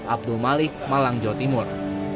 abdul malik malang jawa timur